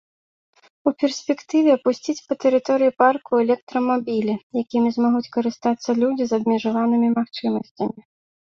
У перспектыве пусціць па тэрыторыі парку электрамабілі, якімі змогуць карыстацца людзі з абмежаванымі магчымасцямі.